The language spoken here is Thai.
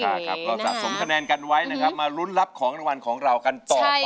เราจะสมคะแนนกันไว้นะครับมารุ้นรับของขนาดวันของเรากันต่อไป